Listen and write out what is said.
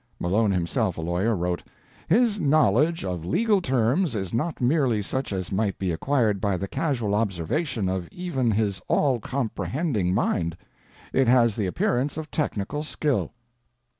Malone, himself a lawyer, wrote: "His knowledge of legal terms is not merely such as might be acquired by the casual observation of even his all comprehending mind; it has the appearance of technical skill."